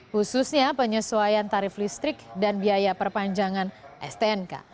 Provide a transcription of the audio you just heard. khususnya penyesuaian tarif listrik dan biaya perpanjangan stnk